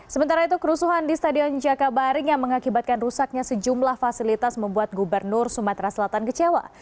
sementara itu kerusuhan di stadion jakabaring yang mengakibatkan rusaknya sejumlah fasilitas membuat gubernur sumatera selatan kecewa